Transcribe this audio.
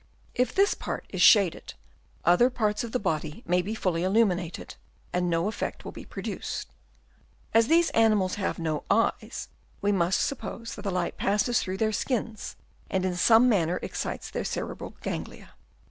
If this part is shaded, other parts of the body may be fully illuminated, and no effect will be produced. As these animals have no eyes, we must suppose that the light passes through their skins, and in some manner excites their cerebral ganglia.